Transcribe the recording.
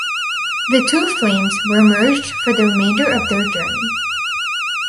The two flames were merged for the remainder of their journey.